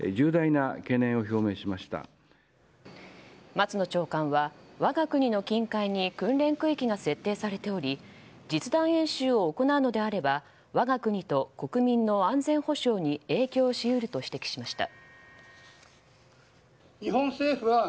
松野長官は、我が国の近海に訓練区域が設定されており実弾演習を行うのであれば我が国と国民の安全保障に影響し得ると指摘しました。